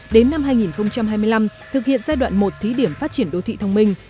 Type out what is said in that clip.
đến năm hai nghìn hai mươi năm thực hiện giai đoạn một thí điểm phát triển đô thị thông minh